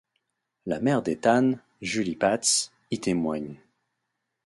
La mère d'Etan, Julie Patz, y témoigne.